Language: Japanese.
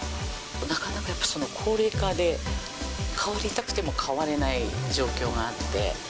なかなかやっぱ、高齢化で代わりたくても代われない状況があって。